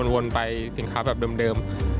วนไปสินค้าแบบเดิม